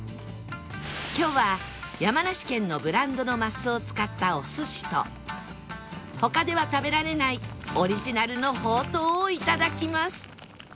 今日は山梨県のブランドのマスを使ったお寿司と他では食べられないオリジナルのほうとうを頂きます